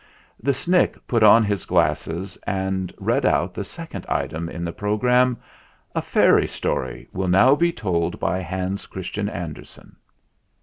The Snick put on his glasses and read out the second item in the programme : 128 THE FLINT HEART "A fairy story will now be told by Hans Christian Andersen!"